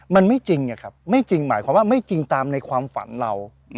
มันไม่จริงไงครับไม่จริงหมายความว่าไม่จริงตามในความฝันเรา